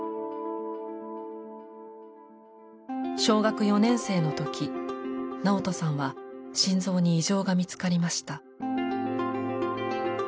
小学４年生の時ナオトさんは心臓に異常が見つかりました。